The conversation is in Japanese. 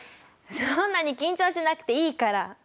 そんなに緊張しなくていいから。